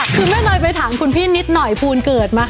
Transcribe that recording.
คือแม่นอยไปถามคุณพี่นิดหน่อยภูลเกิดมาค่ะ